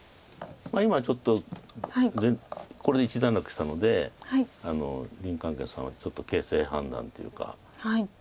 今ちょっとこれで一段落したので林漢傑さんはちょっと形勢判断というか。